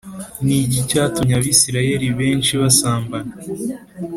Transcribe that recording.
Ni iki cyatumye Abisirayeli benshi basambana